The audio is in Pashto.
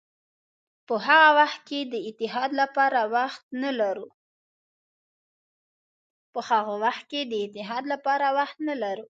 په هغه وخت کې د اتحاد لپاره وخت نه لرو.